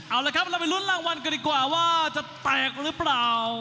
เอาละครับเราไปลุ้นรางวัลกันดีกว่าว่าจะแตกหรือเปล่า